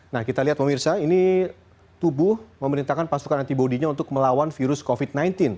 nah kita lihat pemirsa ini tubuh memerintahkan pasukan antibody nya untuk melawan virus covid sembilan belas